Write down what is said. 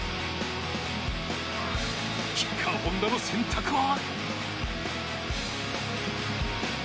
キッカー本田の選択は。